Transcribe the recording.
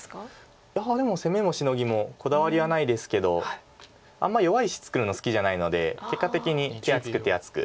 でも攻めもシノギもこだわりはないですけどあんまり弱い石作るの好きじゃないので結果的に手厚く手厚く。